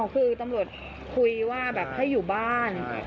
อ๋อคือตำรวจคุยว่าให้อยู่บ้าน